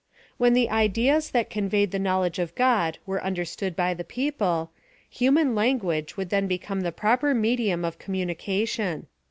When the ideas that conveyed the knowledge of God were understood by the people, human Ian PLAN OP 8AL\ATICN. 123 ^uage would then become the proper medium of communication.